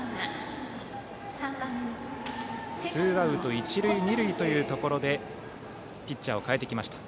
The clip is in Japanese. ツーアウト一塁二塁というところでピッチャーを代えてきました。